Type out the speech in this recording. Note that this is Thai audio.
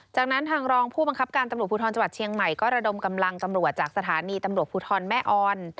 จากนั้นทางรองผู้บังคับการตำรวจภูทรจังหวัดเชียงใหม่ก็ระดมกำลังตำรวจจากสถานีตำรวจภูทรแม่ออน